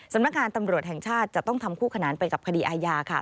สำนักงานตำรวจแห่งชาติจะต้องทำคู่ขนานไปกับคดีอาญาค่ะ